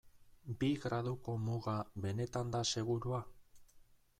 Bi graduko muga benetan da segurua?